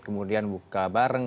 kemudian buka bareng